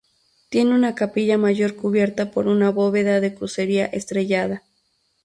Tiene una capilla mayor cubierta por una bóveda de crucería estrellada.